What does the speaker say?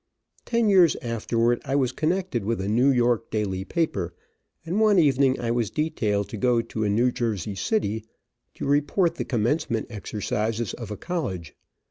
Ten years afterward I was connected with a New York daily paper, and one evening I was detailed to go to a New Jersey city to report the commencement exercises of a college.